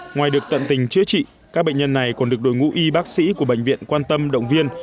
ngoài được tận tình chữa trị các bệnh nhân này còn được đội ngũ y bác sĩ của bệnh viện quan tâm động viên